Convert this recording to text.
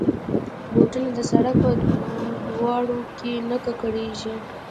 بوټونه د سړک په دوړو کې نه ککړېږي.